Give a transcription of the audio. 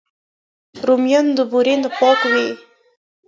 رومیان د بورې نه پاک وي